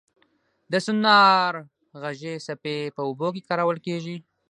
د سونار غږي څپې په اوبو کې کارول کېږي.